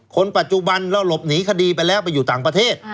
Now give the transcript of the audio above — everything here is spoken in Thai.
คนปัจจุบันเราหลบหนีคดีไปแล้วไปอยู่ต่างประเทศ